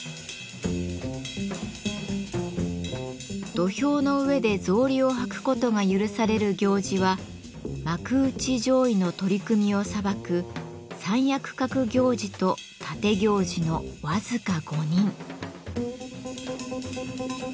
土俵の上で草履を履くことが許される行司は幕内上位の取組を裁く「三役格行司」と「立行司」の僅か５人。